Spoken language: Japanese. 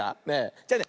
じゃあね